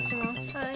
はい。